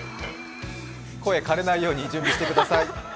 声、かれないように準備してください。